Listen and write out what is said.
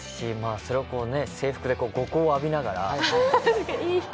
それを制服で後光を浴びながら。